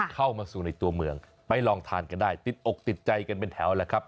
เข้ามาสู่ในตัวเมืองไปลองทานกันได้ติดอกติดใจกันเป็นแถวแหละครับ